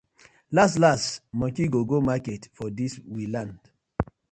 Lass lass monkey go go market for dis we land.